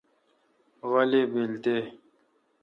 غلی بیل تے۔